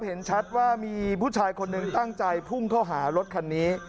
เห็นชัดว่ามีผู้ชายคนหนึ่งตั้งใจพุ่งเข้าหารถคันนี้